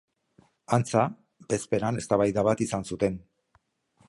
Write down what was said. Antza, bezperan eztabaida bat izan zuten.